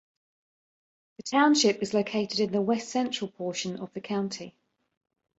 The township is located in the west central portion of the county.